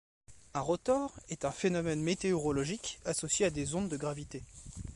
Un rotor est un phénomène météorologique associé à des ondes de gravité.